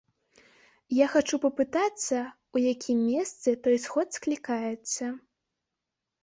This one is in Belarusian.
Я хачу папытацца, у якім месцы той сход склікаецца.